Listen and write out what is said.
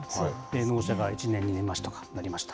納車が１年、２年待ちとかなりました。